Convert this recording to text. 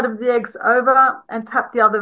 dan ada pemenang di akhir